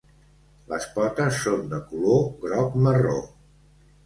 Les potes són de color groc-marró.